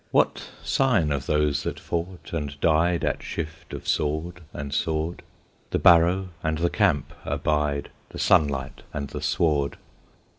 What sign of those that fought and died At shift of sword and sword? The barrow and the camp abide, The sunlight and the sward.